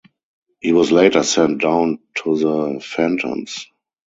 He was later sent down to the Phantoms.